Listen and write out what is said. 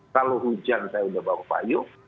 kalau hujan saya udah bau payung